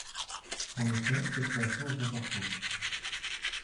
En effet, cette relation est importante.